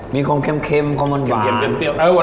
มีความเค็มความหวาน